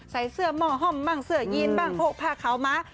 ใส่เสื้อหม้อห้อมบ้างเสื้อยีนบ้างพกผ้าขาวม้า